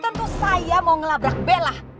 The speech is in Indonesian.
tentu saya mau ngelabrak belah